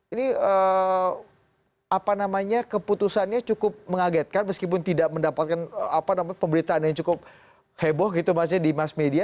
ini apa namanya keputusannya cukup mengagetkan meskipun tidak mendapatkan pemberitaan yang cukup heboh gitu mas ya di mass media